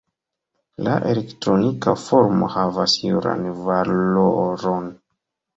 La elektronika formo havas juran valoron.